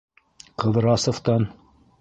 Ҡыҙрасовтан.